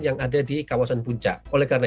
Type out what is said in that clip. yang ada di kawasan puncak oleh karena